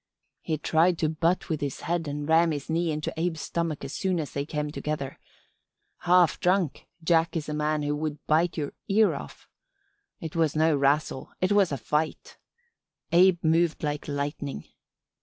He tried to butt with his head and ram his knee into Abe's stomach as soon as they came together. Half drunk Jack is a man who would bite your ear off. It was no rassle; it was a fight. Abe moved like lightning.